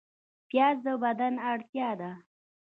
پیاز د بدن اړتیا ده